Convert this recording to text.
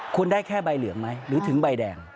คุณได้แค่ใบเหลืองไหมหรือถึงใบแดง